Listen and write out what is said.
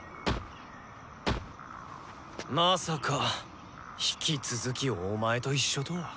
まさか引き続きお前と一緒とは。